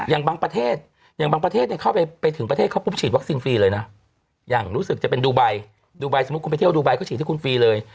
อย่างบางประเทศอย่างบางประเทศเข้าไปถึงประเทศเขาปุ๊บฉีดวัคซีนฟรีเลยนะอย่างรู้สึกจะเป็นดูใบสมมุติคุณไปเที่ยวดูไบเขาฉีดให้คุณฟรีเลย